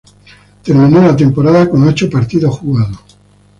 Terminó la temporada con ocho partidos jugados.